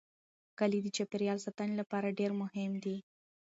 کلي د چاپیریال ساتنې لپاره ډېر مهم دي.